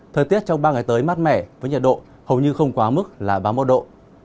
thời tiết trong ba ngày tới mát mẻ với nhiệt độ hầu như không quá mức là ba mươi một độ